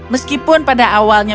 meskipun pada awalnya